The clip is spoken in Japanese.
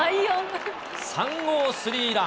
３号スリーラン。